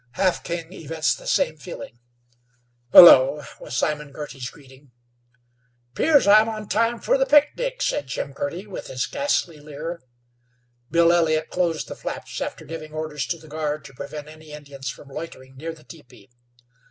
Half King evinced the same feeling. "Hullo," was Simon Girty's greeting. "'Pears I'm on time fer the picnic," said Jim Girty, with his ghastly leer. Bill Elliott closed the flaps, after giving orders to the guard to prevent any Indians from loitering near the teepee.